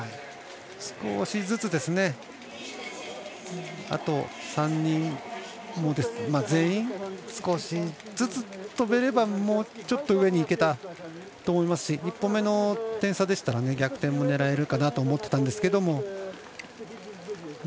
少しずつですね全員、少しずつ飛べればもうちょっと上にいけたと思いますし１本目の点差でしたら逆転も狙えるかなと思ってたんですが。